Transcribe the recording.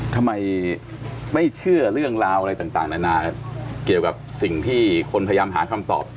ทำไมไม่เชื่อเรื่องราวอะไรต่างนานาเกี่ยวกับสิ่งที่คนพยายามหาคำตอบ